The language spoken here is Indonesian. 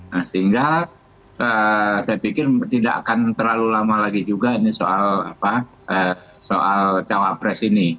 nah sehingga saya pikir tidak akan terlalu lama lagi juga ini soal cawapres ini